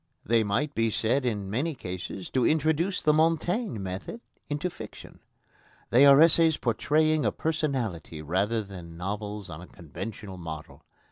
They might be said in many cases to introduce the Montaigne method into fiction. They are essays portraying a personality rather than novels on a conventional model.